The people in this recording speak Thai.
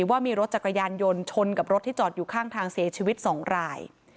ว่ามีรถจักรยานยนต์ชนกับรถที่จอดอยู่ข้างทางเสียชีวิต๒ราย